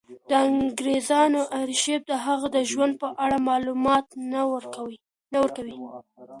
د انګرېزانو ارشیف د هغه د ژوند په اړه معلومات نه ورکوي.